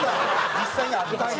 実際にあったんや。